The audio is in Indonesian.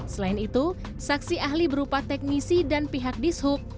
selain itu saksi ahli berupa teknisi dan pihak dishub